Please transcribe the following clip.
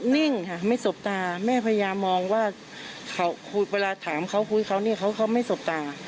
นิ่งค่ะไม่สบตาแม่พยายามมองว่าเวลาถามเขาคุยเขาเนี่ยเขาไม่สบตา